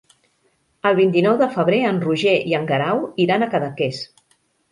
El vint-i-nou de febrer en Roger i en Guerau iran a Cadaqués.